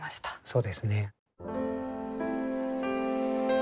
そうですね。